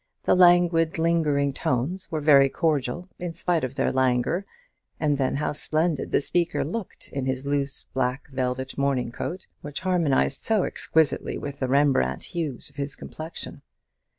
The languid, lingering tones were very cordial in spite of their languor; and then how splendid the speaker looked in his loose black velvet morning coat, which harmonized so exquisitely with the Rembrandt hues of his complexion!